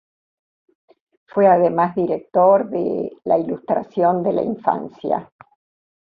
Fue además director de "La Ilustración de la Infancia".